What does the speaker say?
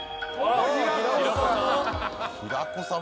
平子さん。